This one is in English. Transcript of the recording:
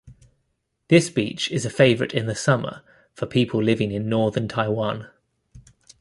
This beach is a favorite in the summer for people living in northern Taiwan.